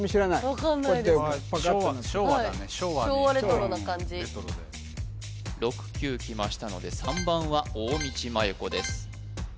分かんないですああ昭和の昭和だね昭和にレトロで６９きましたので３番は大道麻優子です